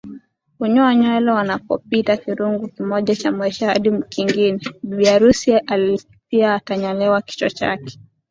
hunyoa nywele wanapopita kifungu kimoja cha maisha hadi kingine Bibiarusi pia atanyolewa kichwa chake